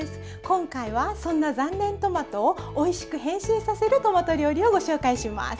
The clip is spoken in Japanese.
今回はそんな残念トマトをおいしく変身させるトマト料理をご紹介します。